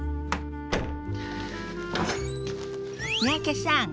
三宅さん